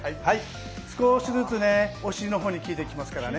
少しずつねお尻の方に効いていきますからね。